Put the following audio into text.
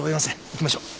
行きましょう。